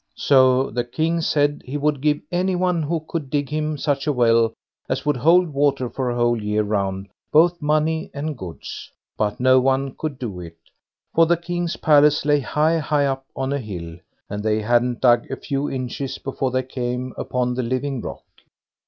So the King said he would give any one who could dig him such a well as would hold water for a whole year round, both money and goods; but no one could do it, for the King's palace lay high, high up on a hill, and they hadn't dug a few inches before they came upon the living rock.